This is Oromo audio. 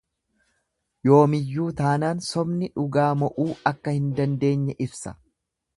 Yoomiyyuu taanaan sobni dhugaa mo'uu akka hin dandeenye ibsa.